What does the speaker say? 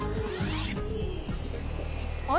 あれ？